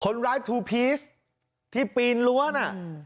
คนร้ายทูพีชที่ปีนรั้วน่ะ